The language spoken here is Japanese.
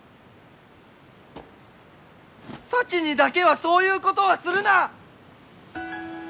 サチにだけはそういうことはするな！